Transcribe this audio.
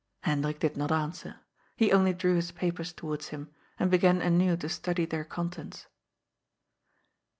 Hendrik did not answer. He only drew his papers towards him, and began anew to study their contents.